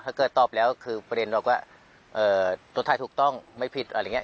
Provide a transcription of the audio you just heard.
ถ้าเกิดตอบแล้วคือประเด็นว่ารถไทยถูกต้องไม่ผิดอะไรอย่างนี้